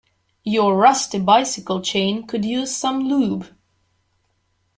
Your rusty bicycle chain could use some lube.